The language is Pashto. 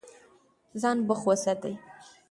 ځان بوخت وساتئ.